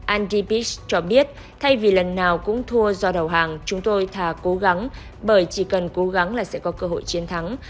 andps cho biết thay vì lần nào cũng thua do đầu hàng chúng tôi thà cố gắng bởi chỉ cần cố gắng là sẽ có cơ hội chiến thắng